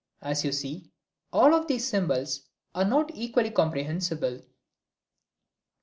As you see, all of these symbols are not equally comprehensible.